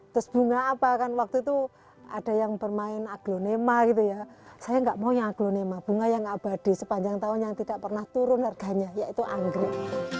terus bunga apa kan waktu itu ada yang bermain aglonema gitu ya saya nggak mau yang aglonema bunga yang abadi sepanjang tahun yang tidak pernah turun harganya yaitu anggrek